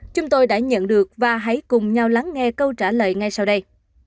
chúng tôi đã nhận được và hãy cùng nhau lắng nghe câu trả lời ngay sau đây